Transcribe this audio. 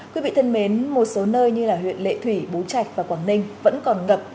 quý vị thân mến một số nơi như huyện lệ thủy bú trạch và quảng ninh vẫn còn ngập